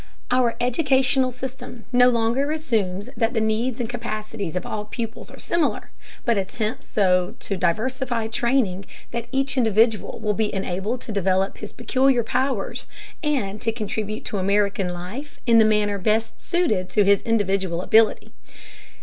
Our educational system no longer assumes that the needs and capacities of all pupils are similar, but attempts so to diversify training that each individual will be enabled to develop his peculiar powers and to contribute to American life in the manner best suited to his individual ability.